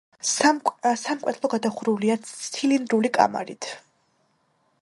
სამკვეთლო გადახურულია ცილინდრული კამარით.